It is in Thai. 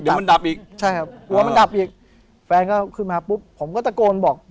ใช่ครับเดี๋ยวมันดับอีกแฟนก็ขึ้นมาปุ๊บผมก็ตะโกนบอก